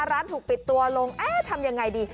ร้านถูกปิดตัวลงเอ๊ะทำยังไงดี